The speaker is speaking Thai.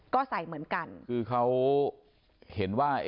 ก็ใส่เหมือนกันคือเขาเห็นว่า